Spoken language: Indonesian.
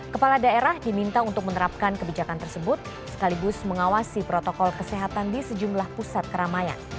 kepala daerah diminta untuk menerapkan kebijakan tersebut sekaligus mengawasi protokol kesehatan di sejumlah pusat keramaian